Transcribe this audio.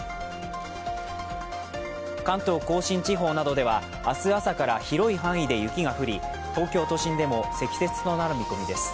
関東甲信地方などでは明日朝から広い範囲で雪が降り、東京都心でも積雪となる見込みです。